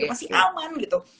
masih aman gitu